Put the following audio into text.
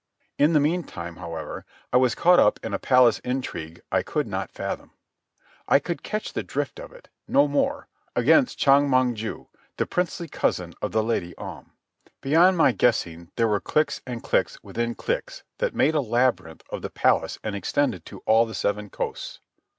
In the meantime, however, I was caught up in a palace intrigue I could not fathom. I could catch the drift of it, no more, against Chong Mong ju, the princely cousin of the Lady Om. Beyond my guessing there were cliques and cliques within cliques that made a labyrinth of the palace and extended to all the Seven Coasts.